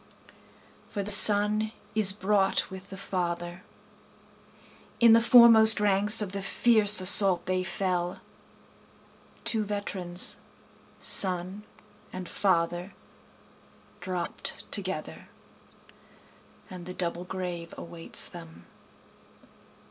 For the son is brought with the father, (In the foremost ranks of the fierce assault they fell, Two veterans son and father dropt together, And the double grave awaits them.)